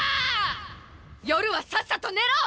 夜はさっさと寝ろ！